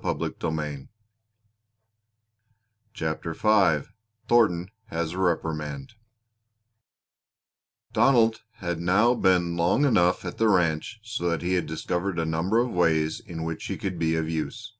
CHAPTER V THORNTON HAS A REPRIMAND Donald had now been long enough at the ranch so that he had discovered a number of ways in which he could be of use.